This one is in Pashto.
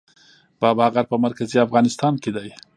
بابا غر په مرکزي افغانستان کې دی